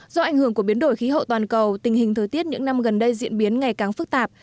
do ảnh hưởng của biến đổi khí hậu toàn cầu tình hình thời tiết những năm gần đây diễn biến ngày càng phức tạp